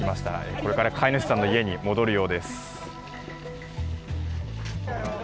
これから飼い主さんの家に戻るようです。